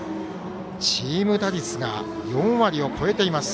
チーム打率が４割を超えています。